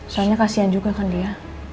soalnya kasian juga kan dia